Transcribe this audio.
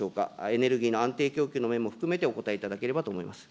エネルギーの安定供給の面も含めてお答えいただければと思います。